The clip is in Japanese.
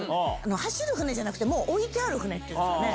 走る船じゃなくて、もう、置いてある船っていうんですかね。